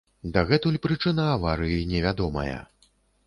Дагэтуль прычына аварыі невядомая.